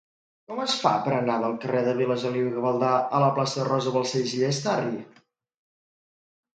Com es fa per anar del carrer de Vilageliu i Gavaldà a la plaça de Rosa Balcells i Llastarry?